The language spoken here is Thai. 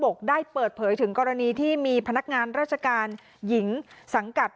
ได้เปิดเผยถึงกรณีที่มีพนักงานราชการหญิงสังกัด